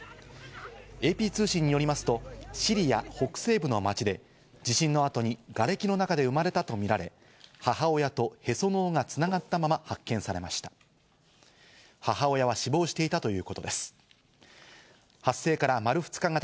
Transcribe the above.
ＡＰ通信によりますとシリア北西部の街で、自身のあとにがれきの中で生まれたとみられ、母親とへその緒が繋がったまま、発見されました。